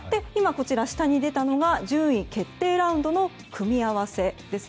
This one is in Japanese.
下に出たのが順位決定ラウンドの組み合わせです。